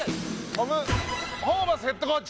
トム・ホーバスヘッドコーチ。